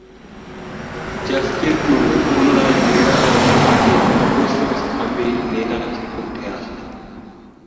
Justin Trudeau পুনরায় Liberal পার্টির অবশ্যম্ভাবী নেতা হিসেবে উঠে আসেন।